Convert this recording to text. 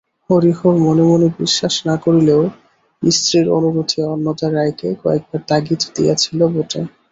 হরিহর মনে মনে বিশ্বাস না করিলেও স্ত্রীর অনুরোধে অন্নদা রায়কে কয়েকবার তাগিদ দিয়াছিল বটে।